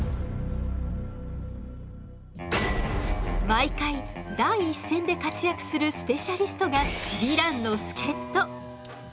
毎回第一線で活躍するスペシャリストがヴィランの助っと！